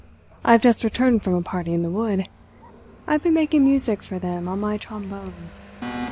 I have just returned from a party in the wood. I have been making music for them on my trombone.